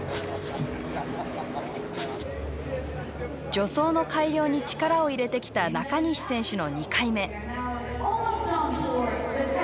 助走の改良に力を入れてきた中西選手の２回目。